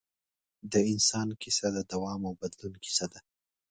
د انسان کیسه د دوام او بدلون کیسه ده.